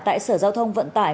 tại sở giao thông vận tải